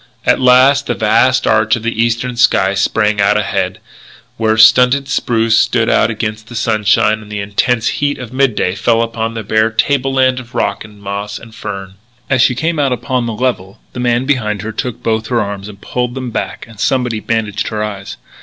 At last the vast arch of the eastern sky sprang out ahead, where stunted spruces stood out against the sunshine and the intense heat of midday fell upon a bare table land of rock and moss and fern. As she came out upon the level, the man behind her took both her arms and pulled them back and somebody bandaged her eyes.